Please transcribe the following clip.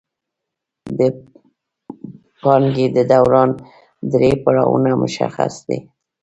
د پانګې د دوران درې پړاوونه مشخص دي